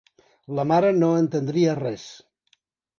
La mare no entendria res.